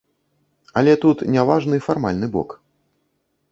Але тут не важны фармальны бок.